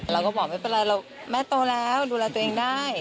เราก็บอกไม่เป็นไรเราแม่โตแล้วดูแลตัวเองได้